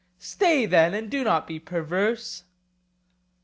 Stay then, and do not be perverse.